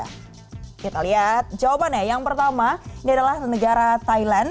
kita lihat jawabannya yang pertama ini adalah negara thailand